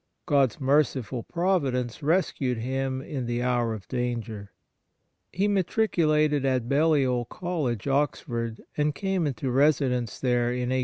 God's merciful providence rescued him in the hour of danger. He matriculated at Balliol College, Oxford, and came into residence there in 1833.